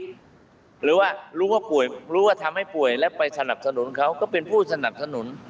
หรือว่ารู้ว่าป่วยรู้ว่าทำให้ป่วยแล้วไปสนับสนุนเขาก็เป็นผู้สนับสนุน